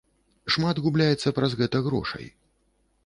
Шмат губляецца праз гэта грошай.